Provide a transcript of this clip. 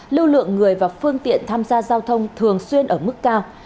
lưu lượng người và phương tiện tham gia giao thông thường xuyên ở mức cao